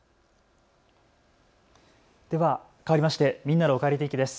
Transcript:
ではかわりましてみんなのおかえり天気です。